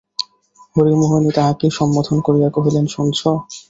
হরিমোহিনী তাহাকেই সম্বোধন করিয়া কহিলেন, শুনছ।